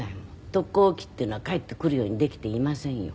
特攻機っていうのは帰ってくるようにできていませんよ。